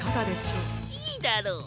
いいだろう。